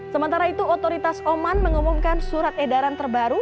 sementara itu otoritas oman mengumumkan surat edaran terbaru